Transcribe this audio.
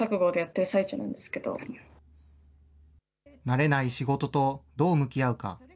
慣れない仕事とどう向き合うか。